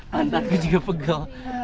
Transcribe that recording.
pantat gue juga pegel